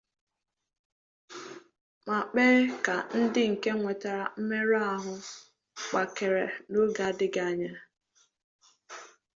ma kpee ka ndị nke nwetara mmerụahụ gbakere n'oge adịghị anya.